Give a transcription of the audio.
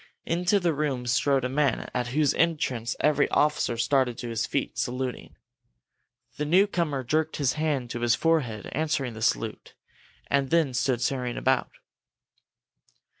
Into the room strode a man at whose entrance every officer started to his feet, saluting. The newcomer jerked his hand to his forehead, answering the salute, and then stood staring about.